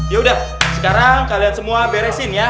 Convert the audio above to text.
yaudah sekarang kalian semua beresin ya